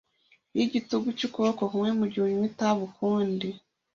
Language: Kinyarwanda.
yigitugu cye ukuboko kumwe mugihe unywa itabi ukundi